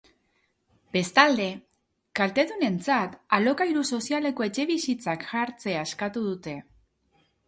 Bestalde, kaltedunentzat alokairu sozialeko etxebizitzak jartzea eskatu dute.